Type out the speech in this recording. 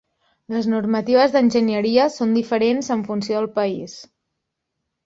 Les normatives d'enginyeria són diferents en funció del país.